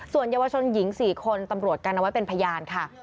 ส่วนเยาวชนหญิง๔คนตำรวจกันเอาไว้เป็นพยานค่ะ